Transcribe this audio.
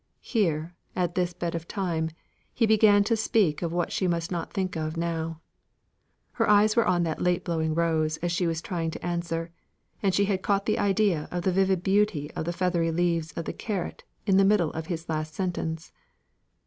Here, at this bed of thyme, he began to speak of what she must not think of now. Her eyes were on that late blowing rose as she was trying to answer; and she had caught the idea of the vivid beauty of the feathery leaves of the carrots in the very middle of his last sentence.